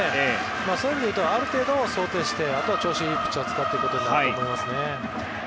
そういう意味で言うとある程度想定してあとは調子がいいピッチャーを使うことになると思います。